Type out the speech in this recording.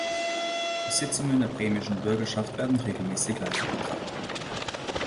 Die Sitzungen der Bremischen Bürgerschaft werden regelmäßig live übertragen.